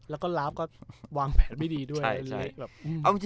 แล้วก็ลาฟก็วางแผนไม่ดีด้วยแหละแหละแหละแหละแหละ